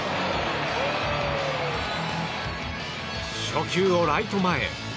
初球をライト前へ。